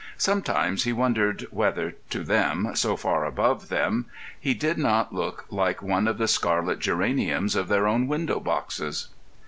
Sometimes he wondered whether, to them, so far above them, he did not look like one of the scarlet geraniums of their own window boxes.